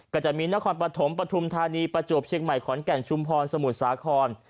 ก็จะมีนครปฐมปฐุมธานีประจวบเชียงใหม่ขอนแก่นชุมพรสมุทรสาคร